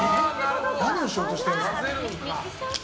何をしようとしてるんですか。